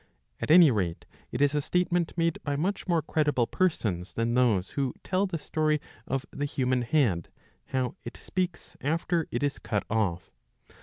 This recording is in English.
At any rate it is a statement made by much more credible persons than those who tell the story of the human head, how it speaks after it is cut off.